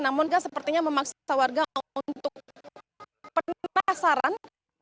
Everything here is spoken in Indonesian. namun kan sepertinya memaksa warga untuk penasaran